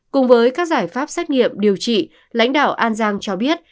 cùng với các giải pháp xét nghiệm điều trị lãnh đạo an giang cho biết